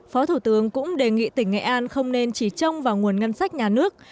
phó thủ tướng cũng đề nghị tỉnh nghệ an không nên chỉ trông vào nguồn ngân sách nhà nước